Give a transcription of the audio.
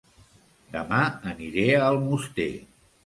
Dema aniré a Almoster